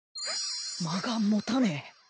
間が持たねえ